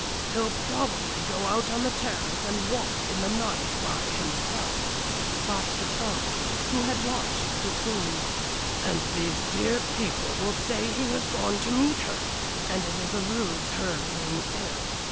"He'll probably go out on the terrace and walk in the night by himself," thought the Crow, who had watched the scene, "and these dear people will say he has gone to meet her, and it is a ruse her being ill.